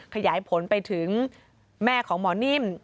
ขยายผลไปถึงแม่ของหมอนิ่ม